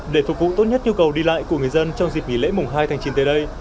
để phục vụ tốt nhất nhu cầu đi lại của người dân trong dịp nghỉ lễ mùng hai tháng chín tới đây